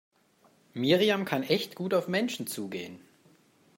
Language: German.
Miriam kann echt gut auf Menschen zugehen.